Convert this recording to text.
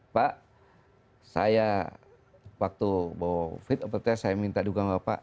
pak saya waktu fitur proper test saya minta dukungan pak